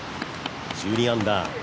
１２アンダー。